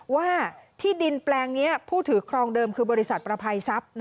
ว่าที่ดินแปลงนี้ผู้ถือครองเดิมคือบริษัทประภัยทรัพย์